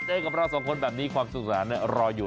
เจอกับเราสองคนแบบนี้ความสุขสนานรออยู่